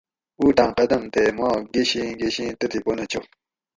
اُوٹاۤں قدم تے ماک گشیں گشیں تتھی پنہ چو